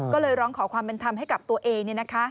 ก็เลยร้องขอความเป็นธรรมให้กับตัวเอง